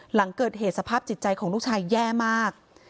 หลังเกิดเหตุสภาพจิตใจของลูกชายแย่มาก